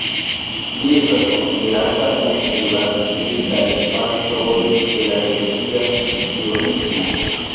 Li estas konsiderata unu el la spiritaj patroj de la religia cionismo.